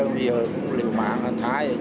giờ liều mạng thả vậy